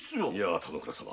田之倉様。